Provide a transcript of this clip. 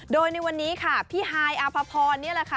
โดยในวันนี้ค่ะพี่ฮายอภพรนี่แหละค่ะ